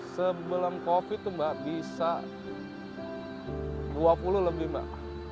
sebelum covid itu mbak bisa dua puluh lebih mbak